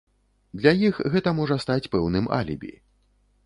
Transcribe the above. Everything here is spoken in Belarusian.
Для іх гэта можа стаць пэўным алібі.